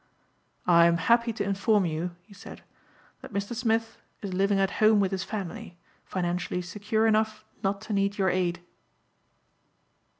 "I am happy to inform you," he said, "that Mr. Smith is living at home with his family financially secure enough not to need your aid."